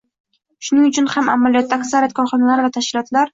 Shuning uchun ham, amaliyotda aksariyat korxona va tashkilotlar